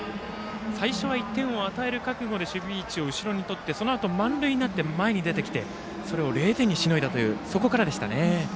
最初は１点を与える覚悟で守備位置を後ろにとってそのあと満塁になって前に出てきてそれを０点にしのいだというそこからでしたね。